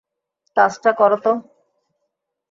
কাজটা করো তো।